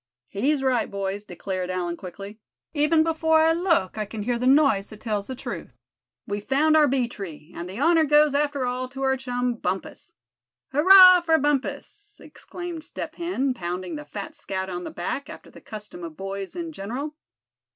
"He's right, boys," declared Allan, quickly; "even before I look I can hear the noise that tells the truth. We've found our bee tree; and the honor goes after all to our chum, Bumpus." "Hurrah for Bumpus!" exclaimed Step Hen, pounding the fat scout on the back, after the custom of boys in general.